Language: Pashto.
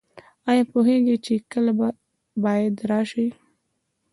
ایا پوهیږئ چې کله باید راشئ؟